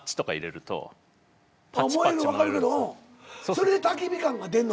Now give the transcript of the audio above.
それでたき火感が出んの？